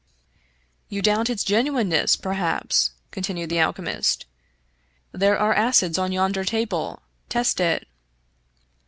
" You doubt its genuineness, perhaps," continued the al chemist. " There are acids on yonder table — ^test it."